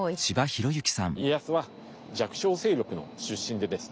家康は弱小勢力の出身でですね。